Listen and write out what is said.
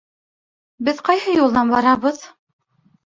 Беҙ ҡайһы юлдан барабыҙ?